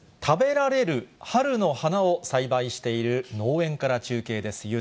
食べられる春の花を栽培している農園から中継です。